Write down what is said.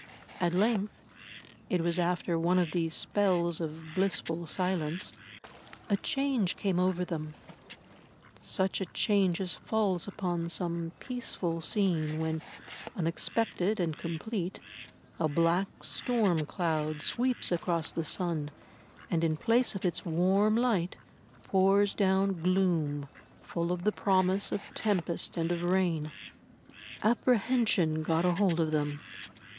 At length—it was after one of these spells of blissful silence—a change came over them, such a change as falls upon some peaceful scene when, unexpected and complete, a black stormcloud sweeps across the sun, and, in place of its warm light, pours down gloom full of the promise of tempest and of rain. Apprehension got a hold of them.